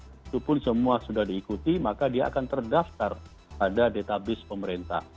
itu pun semua sudah diikuti maka dia akan terdaftar pada database pemerintah